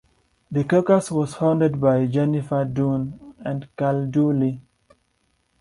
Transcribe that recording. The caucus was founded by Jennifer Dunn and Cal Dooley.